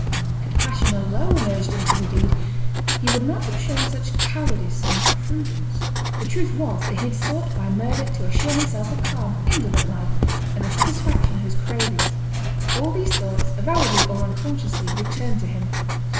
Had passion alone urged him to the deed, he would not have shown such cowardice and prudence. The truth was that he had sought by murder to assure himself a calm, indolent life, and the satisfaction of his cravings. All these thoughts, avowedly or unconsciously, returned to him.